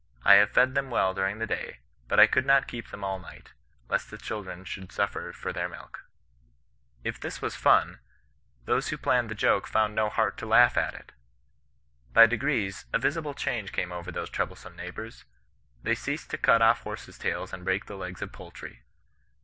I have fed them well during the day, but I would not keep them all night, lest the children should suffer for their milk.' '^ If this was fun, those who planned the joke found no heart to laugh at it. By degrees, a visible change came over these troublesome neighbours. They ceased to cut off horses' tails and breatk the legs of poultiy.